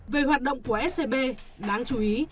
về hoạt động của scb đáng chú ý